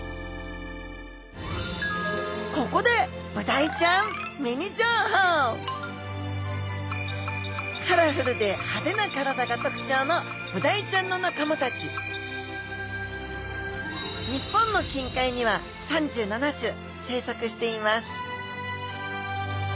ここでブダイちゃんミニ情報カラフルで派手な体が特徴のブダイちゃんの仲間たち生息しています